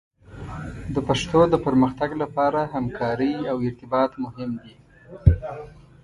د پښتو د پرمختګ لپاره همکارۍ او ارتباط مهم دي.